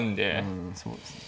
うんそうですね。